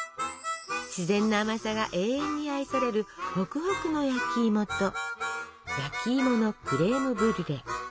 自然な甘さが永遠に愛されるホクホクの焼きいもと焼きいものクレームブリュレ。